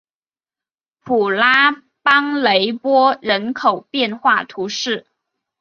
普拉邦雷波人口变化图示